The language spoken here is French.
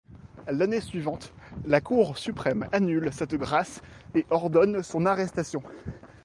L’année suivante, la Cour suprême annule cette grâce et ordonne son arrestation.